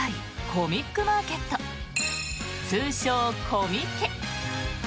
コミックマーケット通称・コミケ。